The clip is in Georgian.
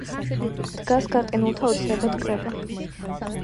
დგას გაყინულთა ოცნებად კრება